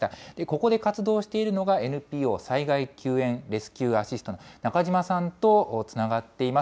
ここで活動しているのが、ＮＰＯ災害救援レスキューアシストの中島さんとつながっています。